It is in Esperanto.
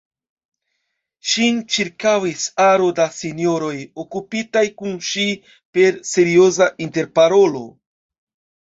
Ŝin ĉirkaŭis aro da sinjoroj, okupitaj kun ŝi per serioza interparolo.